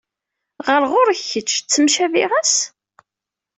Ɣer ɣur-k kečč, ttemcabiɣ-as?